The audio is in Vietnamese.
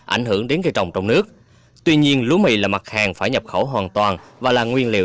ảnh hưởng đến cây trồng trong nước tuy nhiên lúa mì là mặt hàng phải nhập khẩu hoàn toàn và là nguyên liệu